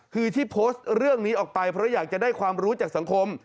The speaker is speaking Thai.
คือที่โพสต์เรื่องนี้ออกไปเพราะอยากจะได้ความรู้จากสังคม